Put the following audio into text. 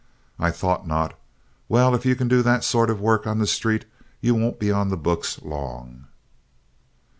"I thought not. Well, if you can do that sort of work on the street you won't be on the books long."